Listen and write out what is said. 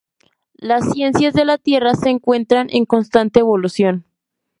Las ciencias de la Tierra se encuentran en constante evolución.